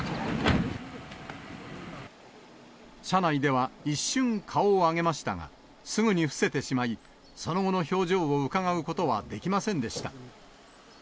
車内では一瞬、顔を上げましたが、すぐに伏せてしまい、その後の表情をうかがうことはできませんでした。